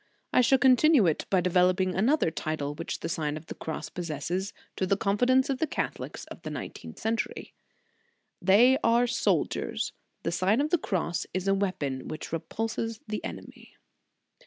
I shall continue it by developing another title which the Sign of the Cross possesses, to the confidence of the Catholics of the nineteenth century. THEY ARE SOLDIERS, THE SIGN OF THE CROSS IS A WEAPON WHICH REPULSES THE ENEMY.